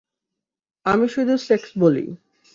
আমি শুধু সেক্স বলি।